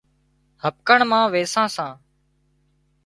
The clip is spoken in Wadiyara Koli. هٻڪڻ مان ويسان سان